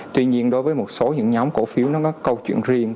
tuy nhiên đối với một số những nhóm cổ phiếu nó có câu chuyện riêng